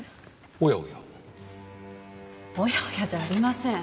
「おやおや」じゃありません。